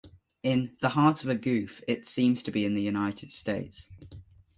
In "The Heart of a Goof", it seems to be in the United States.